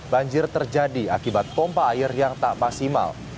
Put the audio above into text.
banjir terjadi akibat pompa air yang tak maksimal